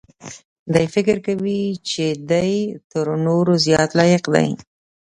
دی فکر کوي چې دی تر نورو زیات لایق دی.